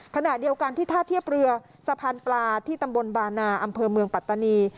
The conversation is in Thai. ขณะเดียวกันที่ท่าเทียบเรือสะพานปลาที่ตำบลบานาอำเภอเมืองปัตตานี